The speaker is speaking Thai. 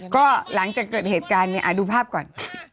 ก็หลังจากเกิดเหตุการณ์เนี่ยดูภาพก่อน